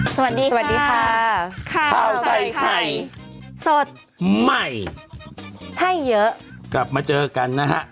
สวัสดีค่ะข้าวใส่ไข่สดใหม่ให้เยอะกลับมาเจอกันนะฮะ